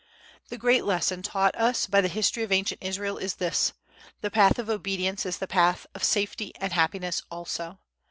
The great lesson taught us by the history of ancient Israel is this: the path of obedience is the path of safety and happiness also.